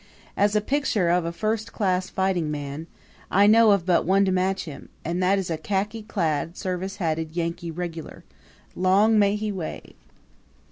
As a picture of a first class fighting man I know of but one to match him, and that is a khaki clad, service hatted Yankee regular long may he wave!